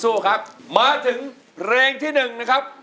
สู้ครับมาถึงเพลงที่หนึ่งนะครับ